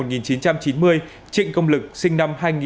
trịnh công lực sinh năm hai nghìn hai